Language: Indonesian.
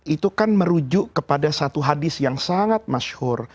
itu kan merujuk kepada satu hadis yang sangat masyur